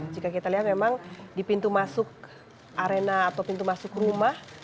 jika kita lihat memang di pintu masuk arena atau pintu masuk rumah